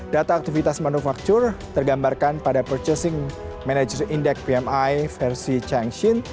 data aktivitas manufaktur tergambarkan pada purchasing manager index pmi versi changshin